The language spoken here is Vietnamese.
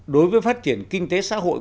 đối với phát triển kinh tế xã hội